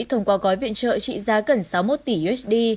thông qua gói viện trợ trị giá gần sáu mươi một tỷ usd